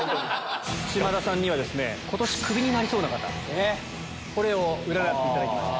島田さんには今年クビになりそうな方を占っていただきました。